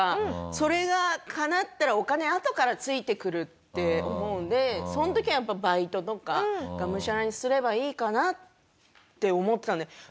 それがかなったらお金あとからついてくるって思うんでその時はやっぱバイトとかがむしゃらにすればいいかなって思ってたんで。